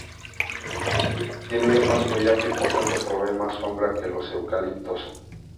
Tiene más follaje y por lo tanto provee más sombra que los eucaliptos.